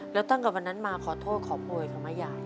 แล้วตั้งแต่วันนั้นมาขอโทษขอโพยเขาไหมยาย